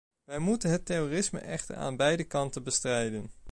Wij moeten het terrorisme echter aan beide kanten bestrijden.